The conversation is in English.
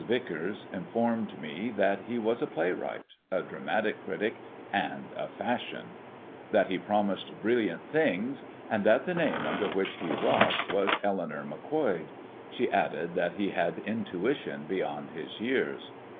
Vicars informed me that he was a playwright, a dramatic critic, and a Fashion; that he promised brilliant things, and that the name under which he wrought was Eleanor Macquoid. She added that he had intuition beyond his years.